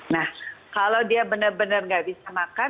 nah kalau dia benar benar nggak bisa makan